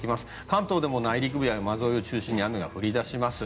関東でも内陸部や山沿いを中心に雨が降り出します。